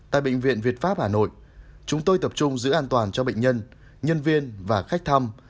tại bệnh viện việt pháp hà nội chúng tôi tập trung giữ an toàn cho bệnh nhân nhân viên và khách thăm